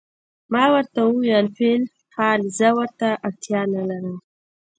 ما ورته وویل: فی الحال زه ورته اړتیا نه لرم.